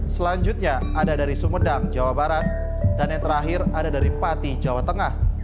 selanjutnya ada dari sumedang jawa barat dan yang terakhir ada dari pati jawa tengah